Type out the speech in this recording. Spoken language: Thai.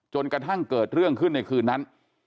จนกระทั่งเกิดเรื่องขึ้นในคืนนั้น